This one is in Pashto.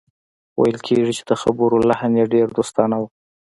خو ویل کېږي چې د خبرو لحن یې ډېر دوستانه و